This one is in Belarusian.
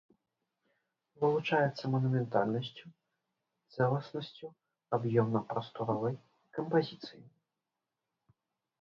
Вылучаецца манументальнасцю, цэласнасцю аб'ёмна-прасторавай кампазіцыі.